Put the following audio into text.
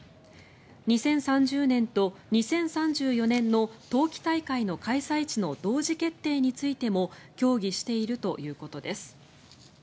２０３０年と２０３４年の冬季大会の開催地の同時決定についても協議しているということです。